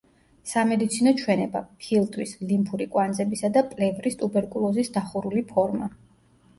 სამედიცინო ჩვენება: ფილტვის, ლიმფური კვანძებისა და პლევრის ტუბერკულოზის დახურული ფორმა.